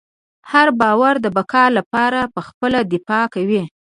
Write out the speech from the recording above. هر باور د بقا لپاره پخپله دفاع کوي.